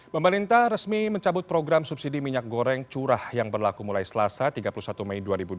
pemerintah resmi mencabut program subsidi minyak goreng curah yang berlaku mulai selasa tiga puluh satu mei dua ribu dua puluh